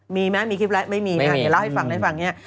มีไหมมีคลิปแล้วไม่มีนะเดี๋ยวเล่าให้ฟังให้ฟังเนี่ย